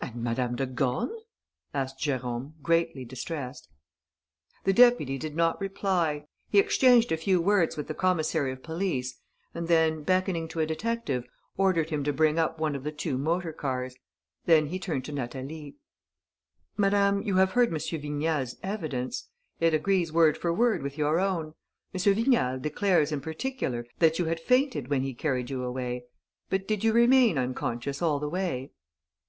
"And Madame de Gorne?" asked Jérôme, greatly distressed. The deputy did not reply. He exchanged a few words with the commissary of police and then, beckoning to a detective, ordered him to bring up one of the two motor cars. Then he turned to Natalie: "Madame, you have heard M. Vignal's evidence. It agrees word for word with your own. M. Vignal declares in particular that you had fainted when he carried you away. But did you remain unconscious all the way?"